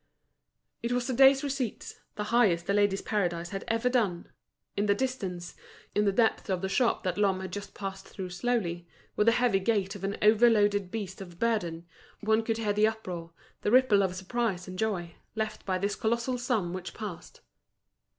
It was the day's receipts, the highest The Ladies' Paradise had ever done. In the distance, in the depths of the shop that Lhomme had just passed through slowly, with the heavy gait of an overloaded beast of burden, one could hear the uproar, the ripple of surprise and joy, left by this colossal sum which passed.